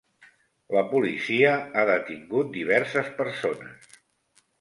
La policia ha detingut diverses persones.